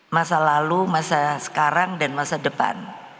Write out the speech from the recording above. masa lalu masa sekarang dan masa depan